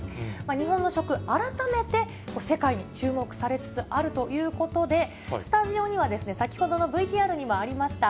日本の食、改めて世界に注目されつつあるということで、スタジオには、先ほどのＶＴＲにもありました